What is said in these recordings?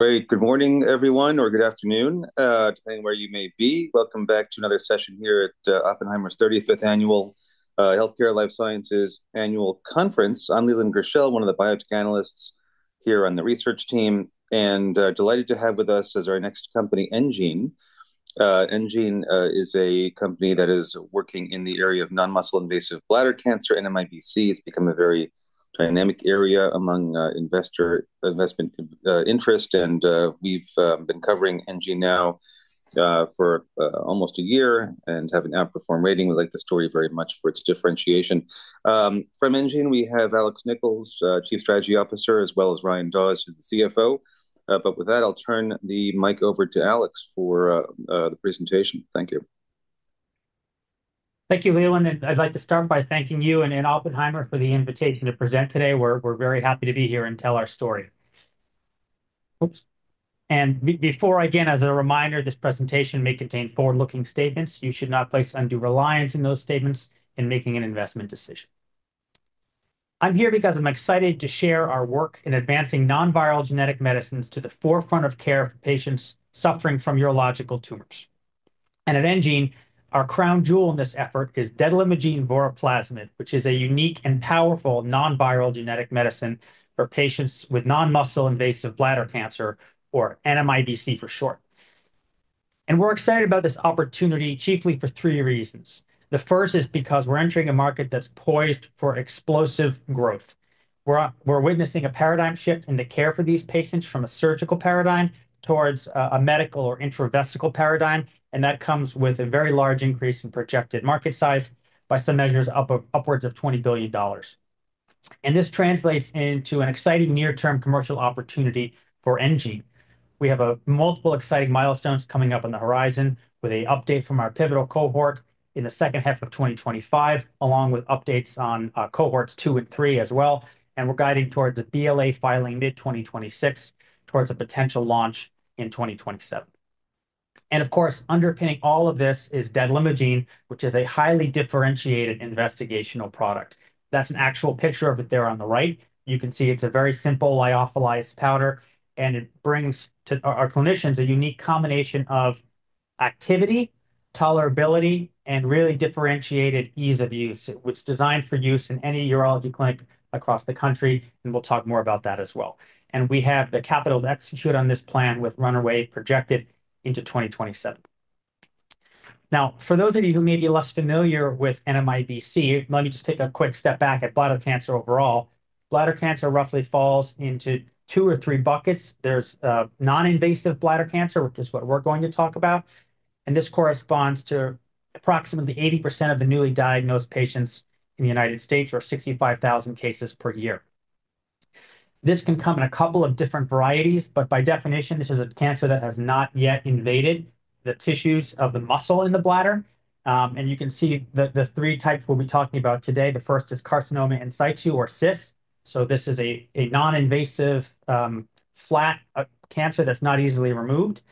Great. Good morning, everyone, or good afternoon, depending where you may be. Welcome back to another session here at Oppenheimer's 35th Annual Healthcare Life Sciences Conference. I'm Leland Gershell, one of the biotech analysts here on the research team, and delighted to have with us as our next company, enGene. enGene is a company that is working in the area of non-muscle invasive bladder cancer and NMIBC. It's become a very dynamic area among investor investment interest, and we've been covering enGene now for almost a year and have an outperform rating. We like the story very much for its differentiation. From enGene, we have Alex Nichols, Chief Strategy Officer, as well as Ryan Daws, who's the CFO. With that, I'll turn the mic over to Alex for the presentation. Thank you. Thank you, Leland. I would like to start by thanking you and Oppenheimer for the invitation to present today. We are very happy to be here and tell our story. Oops. Before I begin, as a reminder, this presentation may contain forward-looking statements. You should not place undue reliance in those statements in making an investment decision. I am here because I am excited to share our work in advancing non-viral genetic medicines to the forefront of care for patients suffering from urological tumors. At enGene, our crown jewel in this effort is detalimogene voraplasmid, which is a unique and powerful non-viral genetic medicine for patients with non-muscle invasive bladder cancer, or NMIBC for short. We are excited about this opportunity chiefly for three reasons. The first is because we are entering a market that is poised for explosive growth. We're witnessing a paradigm shift in the care for these patients from a surgical paradigm towards a medical or intravesical paradigm, and that comes with a very large increase in projected market size by some measures upwards of $20 billion. This translates into an exciting near-term commercial opportunity for enGene. We have multiple exciting milestones coming up on the horizon with an update from our pivotal cohort in the second half of 2025, along with updates on cohorts two and three as well. We're guiding towards a BLA filing mid-2026 towards a potential launch in 2027. Of course, underpinning all of this is detalimogene, which is a highly differentiated investigational product. That's an actual picture of it there on the right. You can see it's a very simple lyophilized powder, and it brings to our clinicians a unique combination of activity, tolerability, and really differentiated ease of use. It was designed for use in any urology clinic across the country, and we will talk more about that as well. We have the capital to execute on this plan with runway projected into 2027. Now, for those of you who may be less familiar with NMIBC, let me just take a quick step back at bladder cancer overall. Bladder cancer roughly falls into two or three buckets. There is non-invasive bladder cancer, which is what we are going to talk about. This corresponds to approximately 80% of the newly diagnosed patients in the United States, or 65,000 cases per year. This can come in a couple of different varieties, but by definition, this is a cancer that has not yet invaded the tissues of the muscle in the bladder. You can see the three types we'll be talking about today. The first is carcinoma in situ, or CIS. This is a non-invasive, flat cancer that's not easily removed.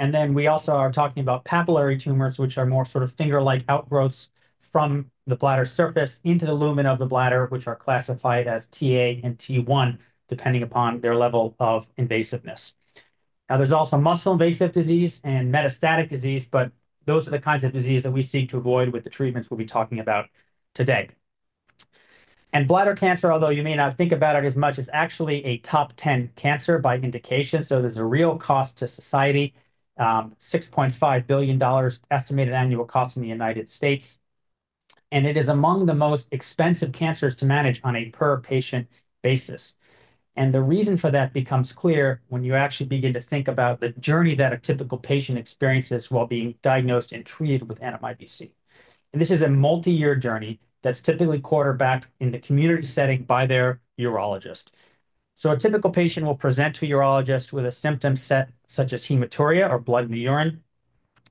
We also are talking about papillary tumors, which are more sort of finger-like outgrowths from the bladder surface into the lumen of the bladder, which are classified as Ta and T1, depending upon their level of invasiveness. There is also muscle invasive disease and metastatic disease, but those are the kinds of disease that we seek to avoid with the treatments we'll be talking about today. Bladder cancer, although you may not think about it as much, is actually a top 10 cancer by indication. There is a real cost to society, $6.5 billion estimated annual cost in the United States. It is among the most expensive cancers to manage on a per-patient basis. The reason for that becomes clear when you actually begin to think about the journey that a typical patient experiences while being diagnosed and treated with NMIBC. This is a multi-year journey that is typically quarterbacked in the community setting by their urologist. A typical patient will present to a urologist with a symptom set such as hematuria or blood in the urine.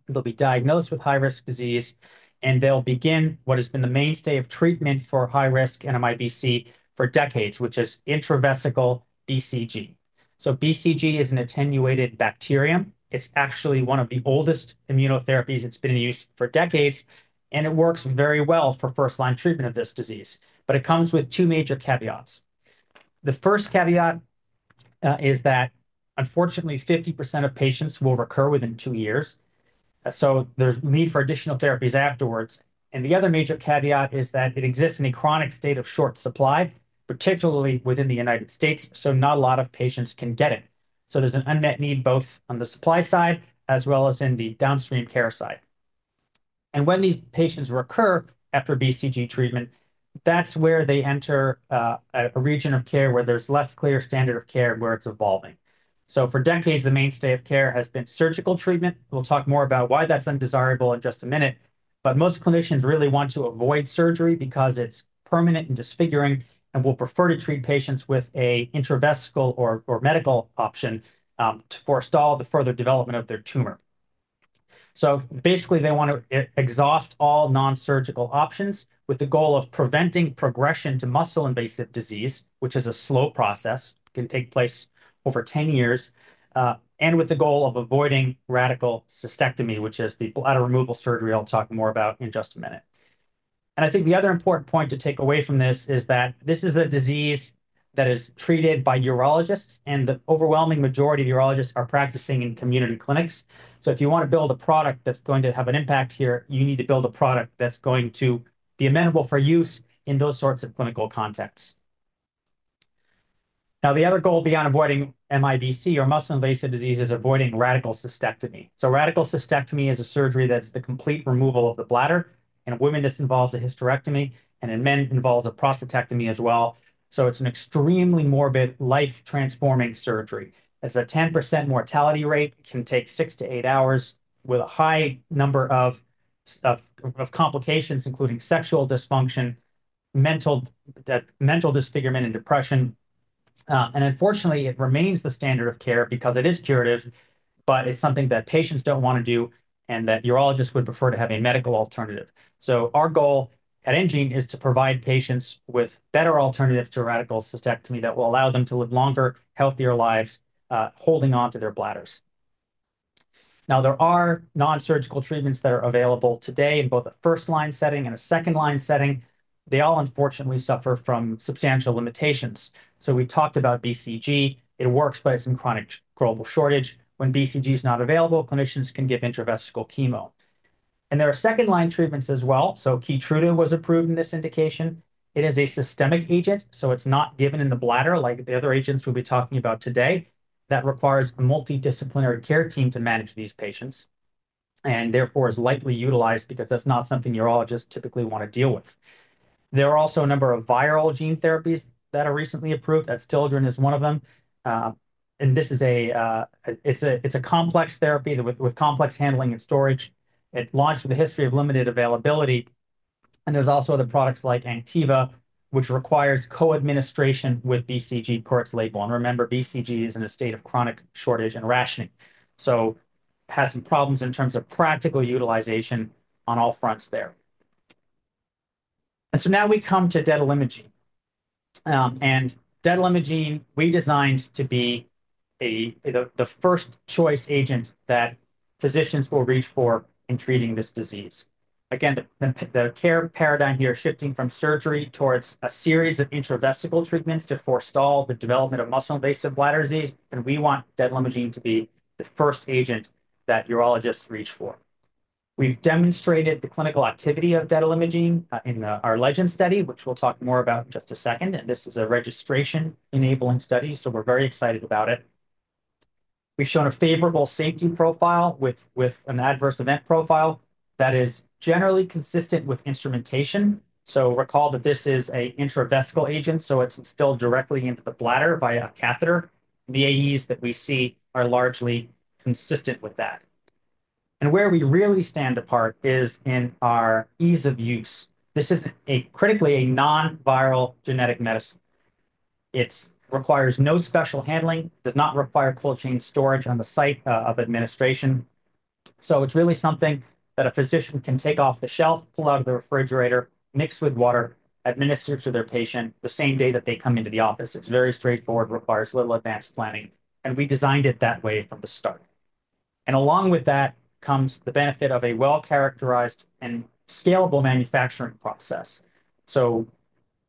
They will be diagnosed with high-risk disease, and they will begin what has been the mainstay of treatment for high-risk NMIBC for decades, which is intravesical BCG. BCG is an attenuated bacterium. It is actually one of the oldest immunotherapies. It has been in use for decades, and it works very well for first-line treatment of this disease. It comes with two major caveats. The first caveat is that, unfortunately, 50% of patients will recur within two years. There's a need for additional therapies afterwards. The other major caveat is that it exists in a chronic state of short supply, particularly within the United States. Not a lot of patients can get it. There's an unmet need both on the supply side as well as in the downstream care side. When these patients recur after BCG treatment, that's where they enter a region of care where there's less clear standard of care and where it's evolving. For decades, the mainstay of care has been surgical treatment. We'll talk more about why that's undesirable in just a minute. Most clinicians really want to avoid surgery because it's permanent and disfiguring, and will prefer to treat patients with an intravesical or medical option to forestall the further development of their tumor. Basically, they want to exhaust all non-surgical options with the goal of preventing progression to muscle invasive disease, which is a slow process, can take place over 10 years, and with the goal of avoiding radical cystectomy, which is the bladder removal surgery I'll talk more about in just a minute. I think the other important point to take away from this is that this is a disease that is treated by urologists, and the overwhelming majority of urologists are practicing in community clinics. If you want to build a product that's going to have an impact here, you need to build a product that's going to be amenable for use in those sorts of clinical contexts. The other goal beyond avoiding MIBC or muscle invasive disease is avoiding radical cystectomy. Radical cystectomy is a surgery that's the complete removal of the bladder. In women, this involves a hysterectomy, and in men, it involves a prostatectomy as well. It's an extremely morbid, life-transforming surgery. It's a 10% mortality rate. It can take six to eight hours with a high number of complications, including sexual dysfunction, mental disfigurement, and depression. Unfortunately, it remains the standard of care because it is curative, but it's something that patients don't want to do and that urologists would prefer to have a medical alternative. Our goal at enGene is to provide patients with better alternatives to radical cystectomy that will allow them to live longer, healthier lives, holding on to their bladders. There are non-surgical treatments that are available today in both a first-line setting and a second-line setting. They all, unfortunately, suffer from substantial limitations. We talked about BCG. It works, but it is in chronic global shortage. When BCG is not available, clinicians can give intravesical chemo. There are second-line treatments as well. Keytruda was approved in this indication. It is a systemic agent, so it is not given in the bladder like the other agents we will be talking about today. That requires a multidisciplinary care team to manage these patients and therefore is likely utilized because that is not something urologists typically want to deal with. There are also a number of viral gene therapies that are recently approved. Adstiladrin is one of them. This is a complex therapy with complex handling and storage. It launched with a history of limited availability. There are also other products like Cretostimogene, which requires co-administration with BCG per its label. Remember, BCG is in a state of chronic shortage and rationing. It has some problems in terms of practical utilization on all fronts there. Now we come to detalimogene. Detalimogene, we designed to be the first choice agent that physicians will reach for in treating this disease. Again, the care paradigm here is shifting from surgery towards a series of intravesical treatments to forestall the development of muscle invasive bladder disease. We want detalimogene to be the first agent that urologists reach for. We've demonstrated the clinical activity of detalimogene in our LEGEND study, which we'll talk more about in just a second. This is a registration-enabling study, so we're very excited about it. We've shown a favorable safety profile with an adverse event profile that is generally consistent with instrumentation. Recall that this is an intravesical agent, so it's instilled directly into the bladder via a catheter. The AEs that we see are largely consistent with that. Where we really stand apart is in our ease of use. This is critically a non-viral genetic medicine. It requires no special handling, does not require cold chain storage on the site of administration. It's really something that a physician can take off the shelf, pull out of the refrigerator, mix with water, administer to their patient the same day that they come into the office. It's very straightforward, requires little advanced planning. We designed it that way from the start. Along with that comes the benefit of a well-characterized and scalable manufacturing process.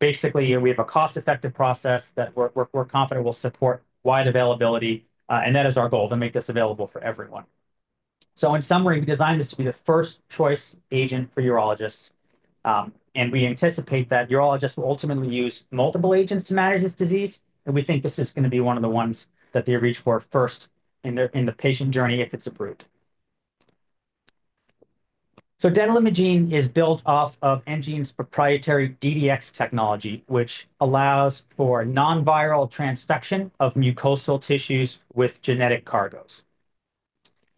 Basically, we have a cost-effective process that we're confident will support wide availability. That is our goal, to make this available for everyone. In summary, we designed this to be the first choice agent for urologists. We anticipate that urologists will ultimately use multiple agents to manage this disease. We think this is going to be one of the ones that they reach for first in the patient journey if it's approved. Detalimogene is built off of enGene's proprietary DDX technology, which allows for non-viral transfection of mucosal tissues with genetic cargoes.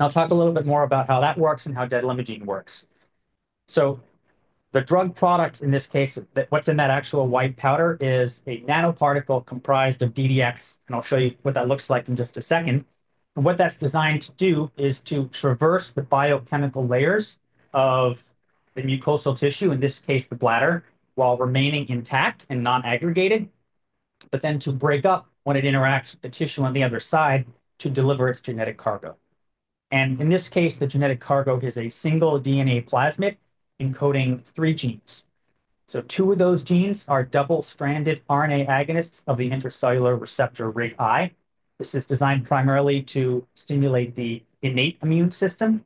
I'll talk a little bit more about how that works and how Detalimogene works. The drug product in this case, what's in that actual white powder, is a nanoparticle comprised of DDX. I'll show you what that looks like in just a second. What that's designed to do is to traverse the biochemical layers of the mucosal tissue, in this case, the bladder, while remaining intact and non-aggregated, but then to break up when it interacts with the tissue on the other side to deliver its genetic cargo. In this case, the genetic cargo is a single DNA plasmid encoding three genes. Two of those genes are double-stranded RNA agonists of the intracellular receptor RIG-I. This is designed primarily to stimulate the innate immune system.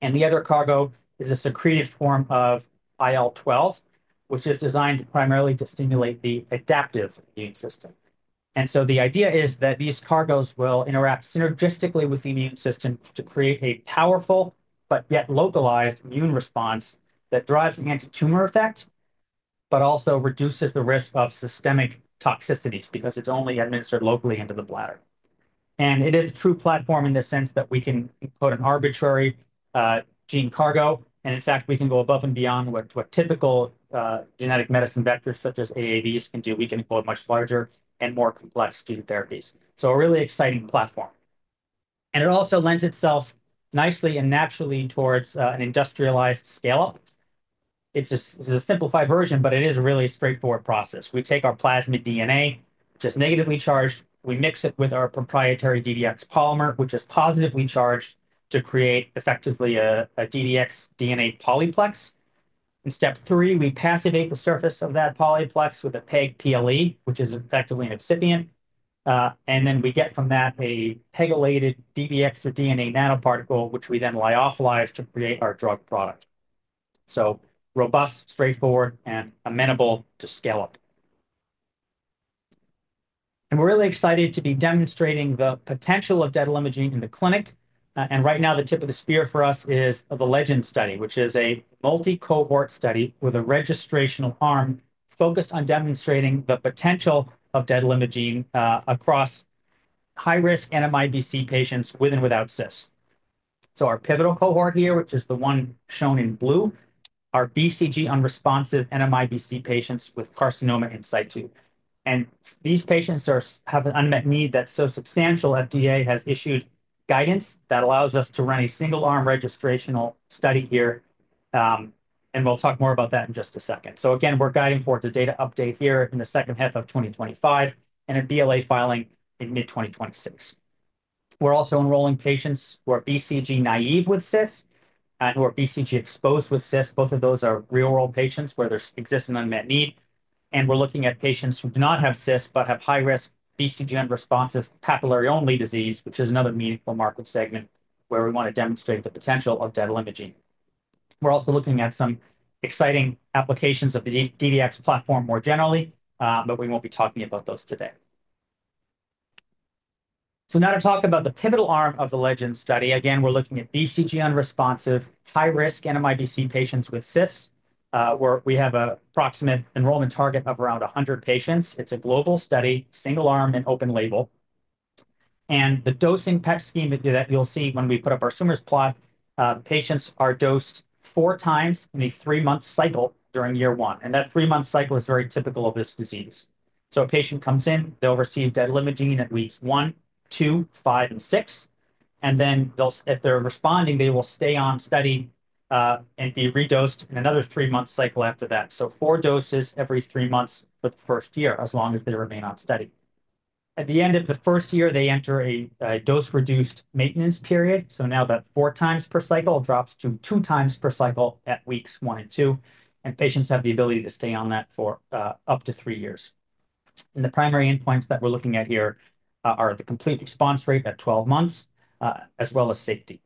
The other cargo is a secreted form of IL-12, which is designed primarily to stimulate the adaptive immune system. The idea is that these cargoes will interact synergistically with the immune system to create a powerful but yet localized immune response that drives the anti-tumor effect, but also reduces the risk of systemic toxicities because it's only administered locally into the bladder. It is a true platform in the sense that we can encode an arbitrary gene cargo. In fact, we can go above and beyond what typical genetic medicine vectors such as AAVs can do. We can encode much larger and more complex gene therapies. A really exciting platform. It also lends itself nicely and naturally towards an industrialized scale-up. It's a simplified version, but it is a really straightforward process. We take our plasmid DNA, which is negatively charged. We mix it with our proprietary DDX polymer, which is positively charged, to create effectively a DDX DNA polyplex. In step three, we passivate the surface of that polyplex with a PEG-PLE, which is effectively an excipient. We get from that a PEGylated DDX or DNA nanoparticle, which we then lyophilize to create our drug product. Robust, straightforward, and amenable to scale-up. We're really excited to be demonstrating the potential of detalimogene in the clinic. Right now, the tip of the spear for us is the LEGEND study, which is a multi-cohort study with a registrational arm focused on demonstrating the potential of detalimogene across high-risk NMIBC patients with and without CIS. Our pivotal cohort here, which is the one shown in blue, are BCG-unresponsive NMIBC patients with carcinoma in situ. These patients have an unmet need that's so substantial that the FDA has issued guidance that allows us to run a single-arm registrational study here. We'll talk more about that in just a second. Again, we're guiding towards a data update here in the second half of 2025 and a BLA filing in mid-2026. We're also enrolling patients who are BCG naive with CIS and who are BCG exposed with CIS. Both of those are real-world patients where there exists an unmet need. We're looking at patients who do not have CIS but have high-risk BCG unresponsive papillary-only disease, which is another meaningful market segment where we want to demonstrate the potential of detalimogene. We're also looking at some exciting applications of the DDX platform more generally, but we won't be talking about those today. Now to talk about the pivotal arm of the LEGEND study. Again, we're looking at BCG unresponsive high-risk NMIBC patients with CIS, where we have an approximate enrollment target of around 100 patients. It's a global study, single-arm and open label. The dosing PET scheme that you'll see when we put up our tumor plot, patients are dosed four times in a three-month cycle during year one. That three-month cycle is very typical of this disease. A patient comes in, they'll receive detalimogene at weeks one, two, five, and six. If they're responding, they will stay on study and be redosed in another three-month cycle after that. Four doses every three months for the first year, as long as they remain on study. At the end of the first year, they enter a dose-reduced maintenance period. Now that four times per cycle drops to two times per cycle at weeks one and two. Patients have the ability to stay on that for up to three years. The primary endpoints that we're looking at here are the complete response rate at 12 months, as well as safety.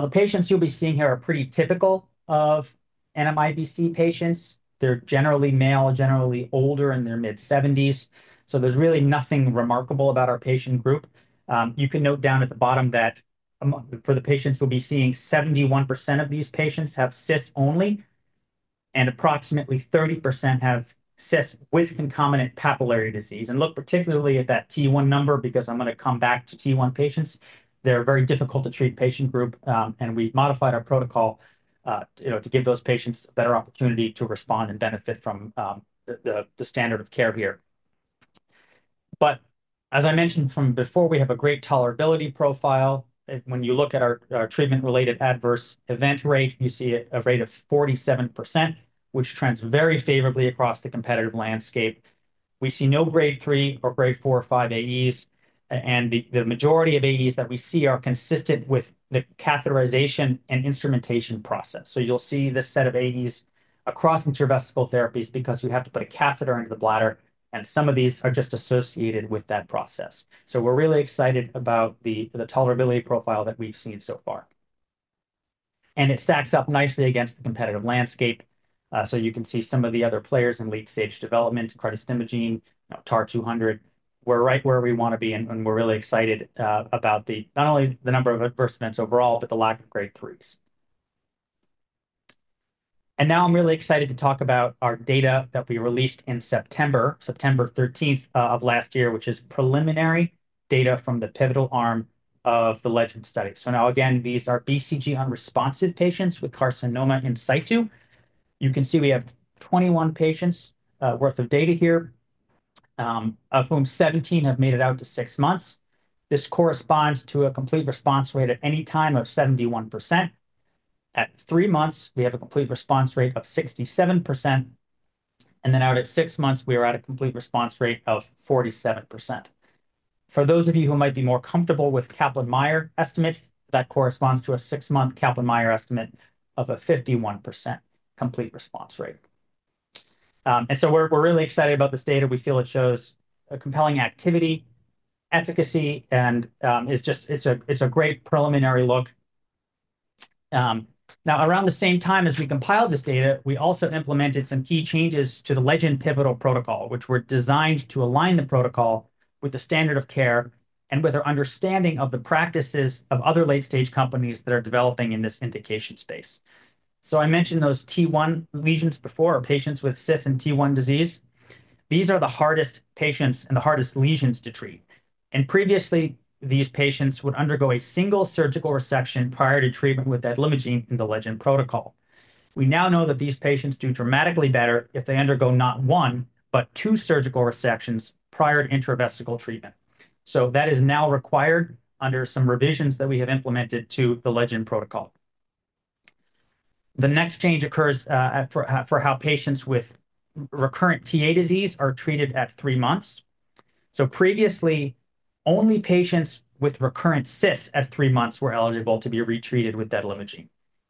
The patients you'll be seeing here are pretty typical of NMIBC patients. They're generally male, generally older, in their mid-70s. There's really nothing remarkable about our patient group. You can note down at the bottom that for the patients we'll be seeing, 71% of these patients have CIS only, and approximately 30% have CIS with concomitant papillary disease. Look particularly at that T1 number because I'm going to come back to T1 patients. They're a very difficult-to-treat patient group, and we've modified our protocol to give those patients a better opportunity to respond and benefit from the standard of care here. As I mentioned from before, we have a great tolerability profile. When you look at our treatment-related adverse event rate, you see a rate of 47%, which trends very favorably across the competitive landscape. We see no grade three or grade four or five AEs. The majority of AEs that we see are consistent with the catheterization and instrumentation process. You will see this set of AEs across intravesical therapies because you have to put a catheter into the bladder, and some of these are just associated with that process. We are really excited about the tolerability profile that we have seen so far. It stacks up nicely against the competitive landscape. You can see some of the other players in late-stage development, detalimogene voraplasmid, TAR-200. We are right where we want to be, and we are really excited about not only the number of adverse events overall, but the lack of grade threes. I am really excited to talk about our data that we released in September, September 13th of last year, which is preliminary data from the pivotal arm of the LEGEND study. Again, these are BCG unresponsive patients with carcinoma in situ. You can see we have 21 patients' worth of data here, of whom 17 have made it out to six months. This corresponds to a complete response rate at any time of 71%. At three months, we have a complete response rate of 67%. Out at six months, we are at a complete response rate of 47%. For those of you who might be more comfortable with Kaplan-Meier estimates, that corresponds to a six-month Kaplan-Meier estimate of a 51% complete response rate. We are really excited about this data. We feel it shows a compelling activity, efficacy, and it is a great preliminary look. Now, around the same time as we compiled this data, we also implemented some key changes to the LEGEND pivotal protocol, which were designed to align the protocol with the standard of care and with our understanding of the practices of other late-stage companies that are developing in this indication space. I mentioned those T1 lesions before, or patients with CIS and T1 disease. These are the hardest patients and the hardest lesions to treat. Previously, these patients would undergo a single surgical resection prior to treatment with detalimogene in the LEGEND protocol. We now know that these patients do dramatically better if they undergo not one, but two surgical resections prior to intravesical treatment. That is now required under some revisions that we have implemented to the LEGEND protocol. The next change occurs for how patients with recurrent Ta disease are treated at three months. Previously, only patients with recurrent CIS at three months were eligible to be retreated with detalimogene.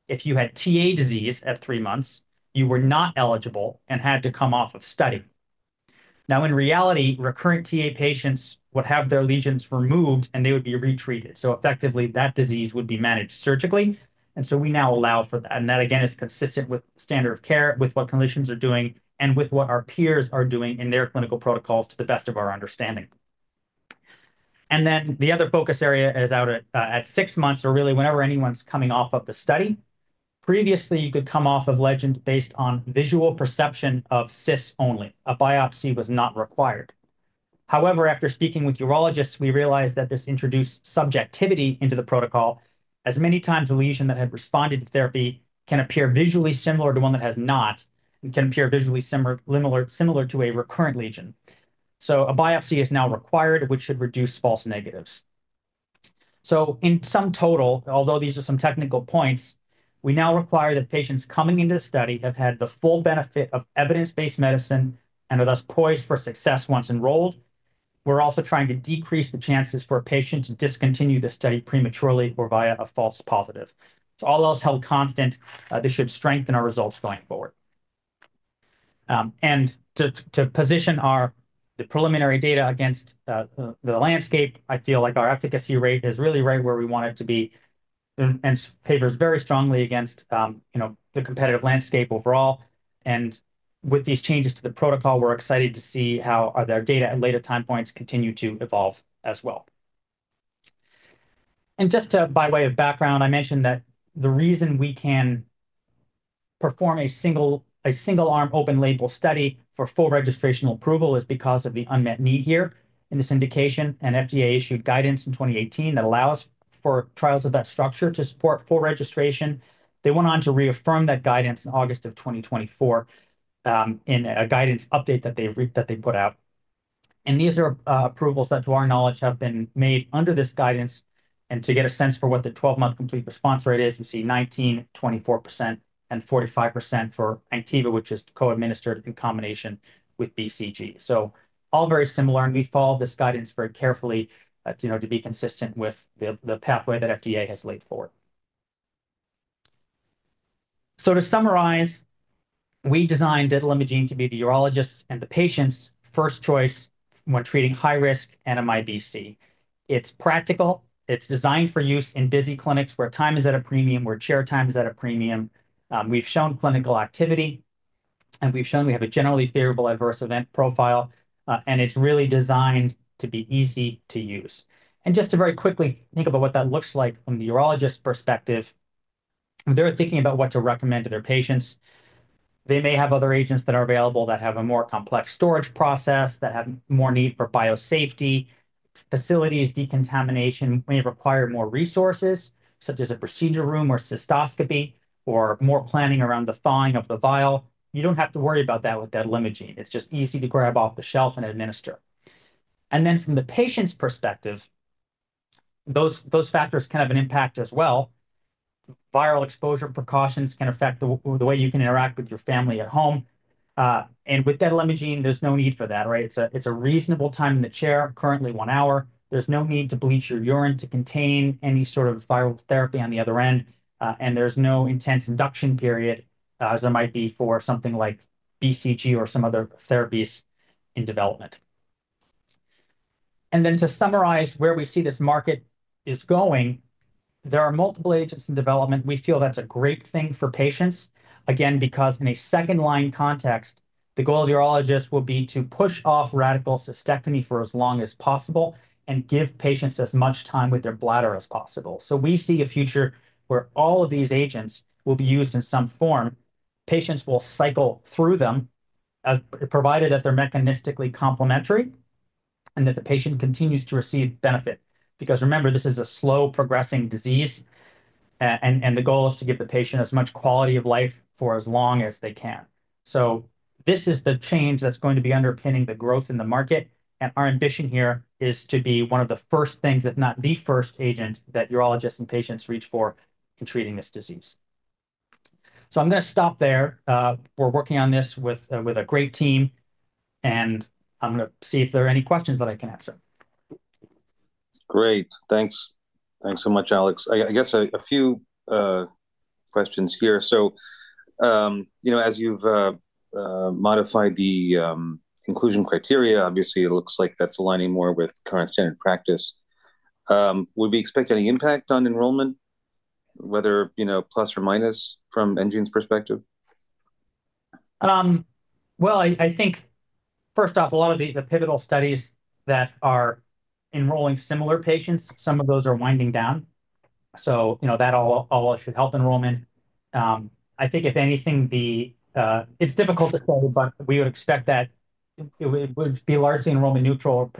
If you had Ta disease at three months, you were not eligible and had to come off of study. In reality, recurrent Ta patients would have their lesions removed, and they would be retreated. Effectively, that disease would be managed surgically. We now allow for that. That, again, is consistent with standard of care, with what clinicians are doing, and with what our peers are doing in their clinical protocols to the best of our understanding. The other focus area is out at six months, or really whenever anyone's coming off of the study. Previously, you could come off of study based on visual perception of CIS only. A biopsy was not required. However, after speaking with urologists, we realized that this introduced subjectivity into the protocol, as many times a lesion that had responded to therapy can appear visually similar to one that has not and can appear visually similar to a recurrent lesion. A biopsy is now required, which should reduce false negatives. In sum total, although these are some technical points, we now require that patients coming into the study have had the full benefit of evidence-based medicine and are thus poised for success once enrolled. We are also trying to decrease the chances for a patient to discontinue the study prematurely or via a false positive. All else held constant, this should strengthen our results going forward. To position the preliminary data against the landscape, I feel like our efficacy rate is really right where we want it to be and favors very strongly against the competitive landscape overall. With these changes to the protocol, we're excited to see how our data at later time points continue to evolve as well. Just by way of background, I mentioned that the reason we can perform a single-arm open label study for full registrational approval is because of the unmet need here in this indication. FDA issued guidance in 2018 that allows for trials of that structure to support full registration. They went on to reaffirm that guidance in August of 2024 in a guidance update that they put out. These are approvals that, to our knowledge, have been made under this guidance. To get a sense for what the 12-month complete response rate is, we see 19%, 24%, and 45% for Anktiva, which is co-administered in combination with BCG. All very similar. We follow this guidance very carefully to be consistent with the pathway that FDA has laid forward. To summarize, we designed detalimogene to be the urologist and the patient's first choice when treating high-risk NMIBC. It's practical. It's designed for use in busy clinics where time is at a premium, where chair time is at a premium. We've shown clinical activity, and we've shown we have a generally favorable adverse event profile. It's really designed to be easy to use. Just to very quickly think about what that looks like from the urologist's perspective, they're thinking about what to recommend to their patients. They may have other agents that are available that have a more complex storage process, that have more need for biosafety, facilities, decontamination, may require more resources, such as a procedure room or cystoscopy or more planning around the thawing of the vial. You do not have to worry about that with detalimogene. It is just easy to grab off the shelf and administer. From the patient's perspective, those factors can have an impact as well. Viral exposure precautions can affect the way you can interact with your family at home. With detalimogene, there is no need for that, right? It is a reasonable time in the chair, currently one hour. There is no need to bleach your urine to contain any sort of viral therapy on the other end. There is no intense induction period as there might be for something like BCG or some other therapies in development. To summarize where we see this market is going, there are multiple agents in development. We feel that's a great thing for patients, again, because in a second-line context, the goal of urologists will be to push off radical cystectomy for as long as possible and give patients as much time with their bladder as possible. We see a future where all of these agents will be used in some form. Patients will cycle through them provided that they're mechanistically complementary and that the patient continues to receive benefit. Because remember, this is a slow-progressing disease, and the goal is to give the patient as much quality of life for as long as they can. This is the change that's going to be underpinning the growth in the market. Our ambition here is to be one of the first things, if not the first agent, that urologists and patients reach for in treating this disease. I'm going to stop there. We're working on this with a great team, and I'm going to see if there are any questions that I can answer. Great. Thanks. Thanks so much, Alex. I guess a few questions here. As you've modified the inclusion criteria, obviously, it looks like that's aligning more with current standard practice. Would we expect any impact on enrollment, whether plus or minus from enGene's perspective? I think, first off, a lot of the pivotal studies that are enrolling similar patients, some of those are winding down. That all should help enrollment. I think, if anything, it's difficult to say, but we would expect that it would be largely enrollment neutral.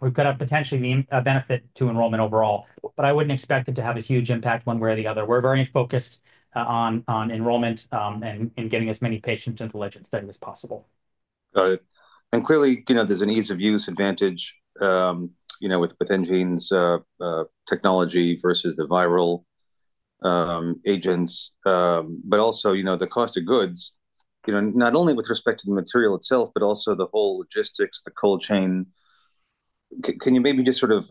We could have potentially a benefit to enrollment overall, but I would not expect it to have a huge impact one way or the other. We are very focused on enrollment and getting as many patients into the LEGEND study as possible. Got it. Clearly, there is an ease of use advantage with enGene's technology versus the viral agents. Also, the cost of goods, not only with respect to the material itself, but also the whole logistics, the cold chain. Can you maybe just sort of,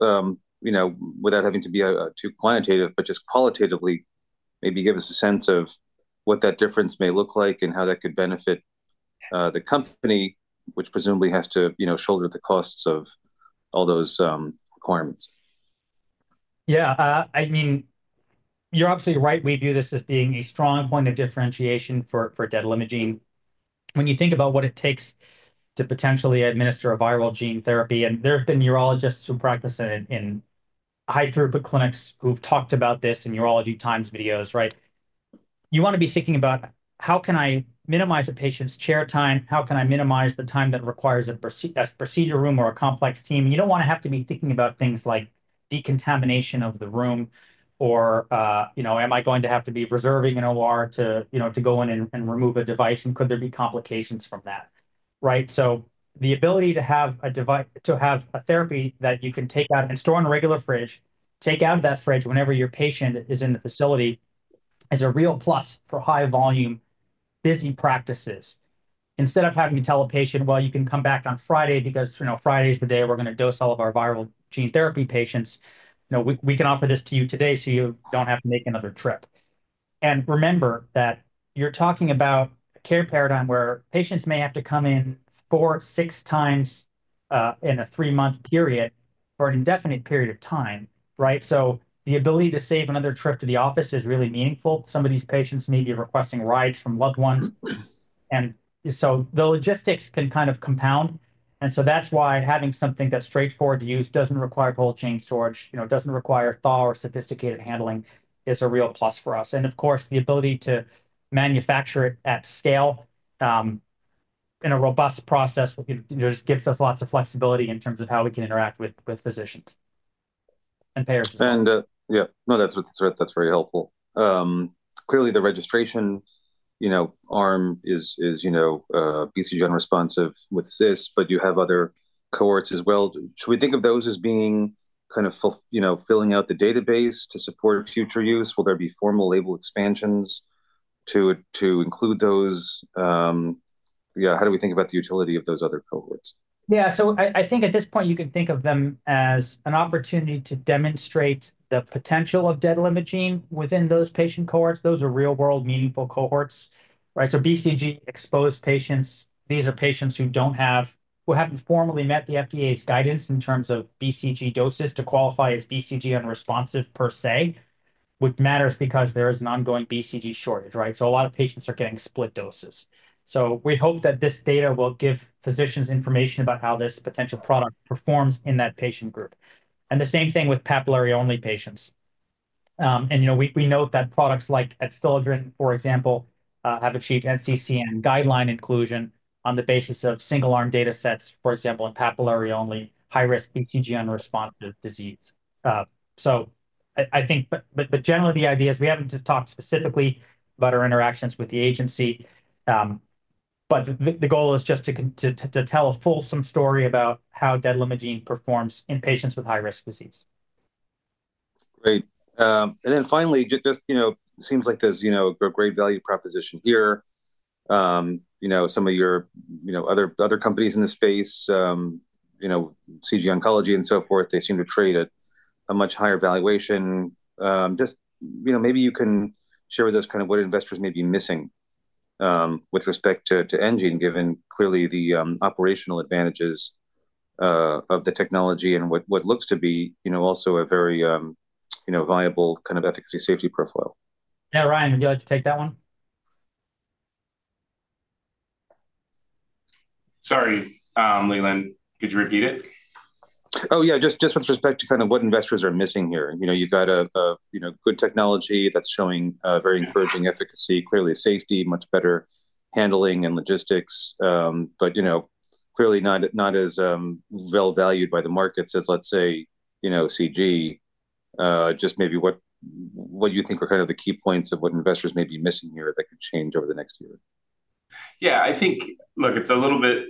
without having to be too quantitative, but just qualitatively maybe give us a sense of what that difference may look like and how that could benefit the company, which presumably has to shoulder the costs of all those requirements? Yeah. I mean, you are absolutely right. We view this as being a strong point of differentiation for detalimogene. When you think about what it takes to potentially administer a viral gene therapy, and there have been urologists who practice in high-throughput clinics who've talked about this in Urology Times videos, right? You want to be thinking about, how can I minimize a patient's chair time? How can I minimize the time that requires a procedure room or a complex team? You do not want to have to be thinking about things like decontamination of the room or, am I going to have to be reserving an OR to go in and remove a device? Could there be complications from that? The ability to have a therapy that you can take out and store in a regular fridge, take out of that fridge whenever your patient is in the facility is a real plus for high-volume, busy practices. Instead of having to tell a patient, "Well, you can come back on Friday because Friday is the day we're going to dose all of our viral gene therapy patients. We can offer this to you today so you don't have to make another trip." Remember that you're talking about a care paradigm where patients may have to come in four, six times in a three-month period for an indefinite period of time, right? The ability to save another trip to the office is really meaningful. Some of these patients may be requesting rides from loved ones. The logistics can kind of compound. That is why having something that's straightforward to use, does not require cold chain storage, does not require thaw or sophisticated handling, is a real plus for us. Of course, the ability to manufacture it at scale in a robust process just gives us lots of flexibility in terms of how we can interact with physicians and payers. Yeah, no, that's very helpful. Clearly, the registration arm is BCG unresponsive with CIS, but you have other cohorts as well. Should we think of those as being kind of filling out the database to support future use? Will there be formal label expansions to include those? Yeah, how do we think about the utility of those other cohorts? Yeah. I think at this point, you can think of them as an opportunity to demonstrate the potential of detalimogene within those patient cohorts. Those are real-world, meaningful cohorts, right? BCG exposed patients, these are patients who haven't formally met the FDA's guidance in terms of BCG doses to qualify as BCG unresponsive per se. What matters because there is an ongoing BCG shortage, right? A lot of patients are getting split doses. We hope that this data will give physicians information about how this potential product performs in that patient group. The same thing with papillary-only patients. We note that products like Adstiladrin, for example, have achieved NCCN guideline inclusion on the basis of single-arm data sets, for example, in papillary-only high-risk BCG unresponsive disease. I think, but generally, the idea is we haven't talked specifically about our interactions with the agency, but the goal is just to tell a fulsome story about how detalimogene voraplasmid performs in patients with high-risk disease. Great. Finally, it just seems like there's a great value proposition here. Some of your other companies in the space, CG Oncology and so forth, they seem to trade at a much higher valuation. Just maybe you can share with us kind of what investors may be missing with respect to enGene, given clearly the operational advantages of the technology and what looks to be also a very viable kind of efficacy safety profile. Yeah, Ryan, would you like to take that one? Sorry, Leland. Could you repeat it? Oh, yeah. Just with respect to kind of what investors are missing here. You've got a good technology that's showing very encouraging efficacy, clearly safety, much better handling and logistics, but clearly not as well-valued by the markets as, let's say, CG. Just maybe what do you think are kind of the key points of what investors may be missing here that could change over the next year? Yeah. I think, look, it's a little bit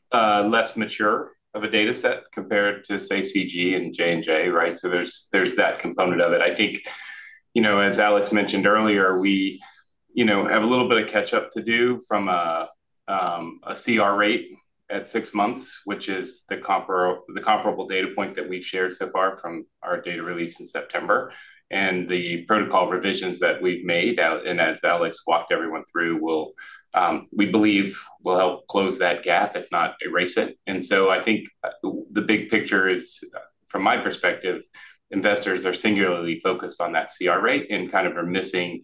less mature of a data set compared to, say, CG and J&J, right? There is that component of it. I think, as Alex mentioned earlier, we have a little bit of catch-up to do from a CR rate at six months, which is the comparable data point that we've shared so far from our data release in September. The protocol revisions that we've made, and as Alex walked everyone through, we believe will help close that gap, if not erase it. I think the big picture is, from my perspective, investors are singularly focused on that CR rate and kind of are missing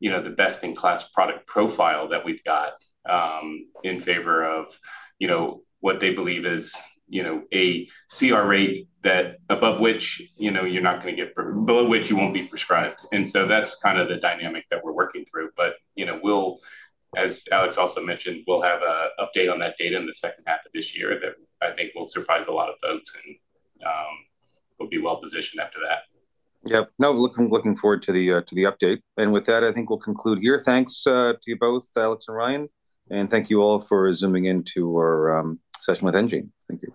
the best-in-class product profile that we've got in favor of what they believe is a CR rate above which you're not going to get, below which you won't be prescribed. That's kind of the dynamic that we're working through. As Alex also mentioned, we'll have an update on that data in the second half of this year that I think will surprise a lot of folks and will be well-positioned after that. Yep. No, looking forward to the update. With that, I think we'll conclude here. Thanks to you both, Alex and Ryan. Thank you all for zooming into our session with enGene. Thank you.